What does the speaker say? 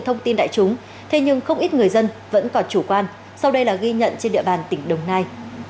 thông tin đại chúng thế nhưng không ít người dân vẫn còn chủ quan sau đây là ghi nhận trên địa bàn tỉnh đồng nai